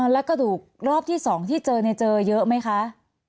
แล้วกระดูกรอบที่๒ที่เจอเจอเยอะไหมคะ